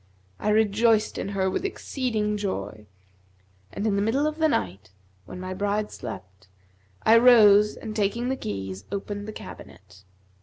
I rejoiced in her with exceeding joy; and in the middle of the night, when my bride slept, I rose and, taking the keys, opened the cabinet.